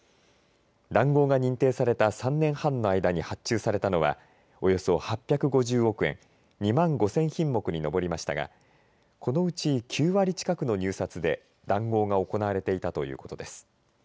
談合が認定された３年半の間に発注されたのはおよそ８５０億円２万５０００品目に上りましたがこのうち９割近くの入札で談合が行われていたということです。